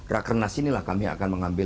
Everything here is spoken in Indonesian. rakernas inilah kami akan mengambil